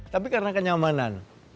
tapi karena kenyamanan